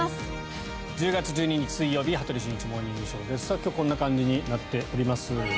１０月１２日、水曜日「羽鳥慎一モーニングショー」。今日はこんな感じになっております。